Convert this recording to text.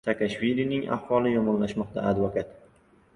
Saakashvilining ahvoli yomonlashmoqda - advokat